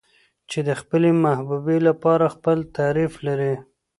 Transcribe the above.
چې د خپلې محبوبې لپاره خپل تعريف لري.